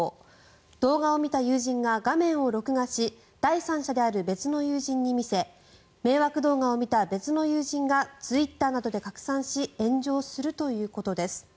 動画を見た友人が画面を録画し第三者である別の友人に見せ迷惑動画を見た別の友人がツイッターなどで拡散し炎上するということです。